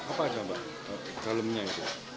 apa ada mbak dalemnya itu